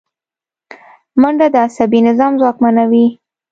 منډه د عصبي نظام ځواکمنوي